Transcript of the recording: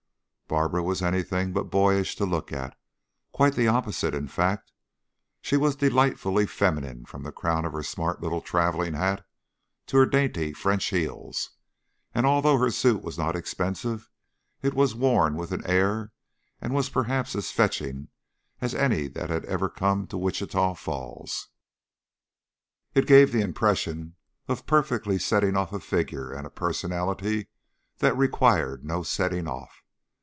Barbara was anything but boyish to look at; quite the opposite, in fact. She was delightfully feminine from the crown of her smart little traveling hat to her dainty French heels, and although her suit was not expensive, it was worn with an air and was perhaps as fetching as any that had ever come to Wichita Falls. It gave the impression of perfectly setting off a figure and a personality that required no setting off.